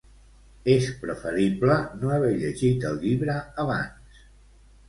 És preferible no haver llegit el llibre abans.